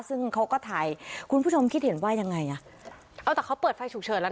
ซึ่งเขาก็ถ่ายคุณผู้ชมคิดเห็นว่ายังไงอ่ะเอาแต่เขาเปิดไฟฉุกเฉินแล้ว